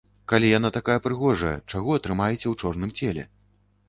Калі яна такая прыгожая, чаго трымаеце ў чорным целе?